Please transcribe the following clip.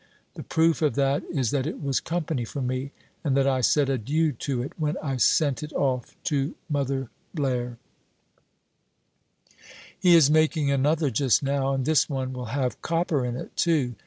The proof of that is that it was company for me, and that I said Adieu to it when I sent it off to Mother Blaire." He is making another just now, and this one will have copper in it, too.